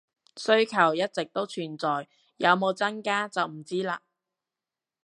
需求一直都存在，有冇增加就唔知喇